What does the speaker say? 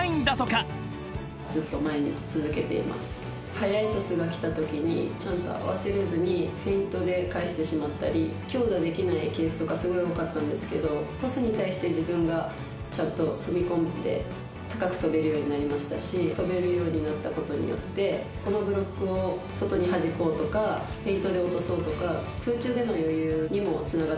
速いトスが来たときにちゃんと合わせれずにフェイントで返してしまったり強打できないケースとかすごい多かったんですけどトスに対して自分がちゃんと踏み込んで高く跳べるようになりましたし跳べるようになったことによってこのブロックを外にはじこうとかフェイントで落とそうとか空中での余裕にもつながってきたかなと思います。